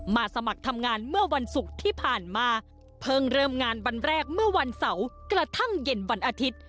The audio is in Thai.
สมัครทำงานเมื่อวันศุกร์ที่ผ่านมาเพิ่งเริ่มงานวันแรกเมื่อวันเสาร์กระทั่งเย็นวันอาทิตย์